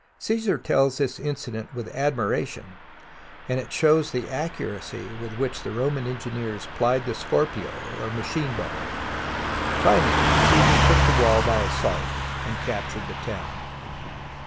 Caesar tells this incident with admiration, and it shows the accuracy with which the Roman engineers plied the scorpio, or machine bow. Finally Caesar took the wall by assault and captured the town.